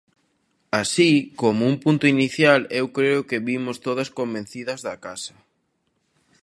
Así, como un punto inicial, eu creo que vimos todas convencidas da casa.